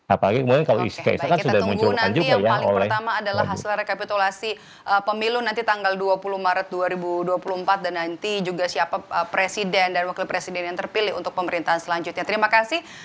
apalagi kemudian kalau i istrinyaga follow vai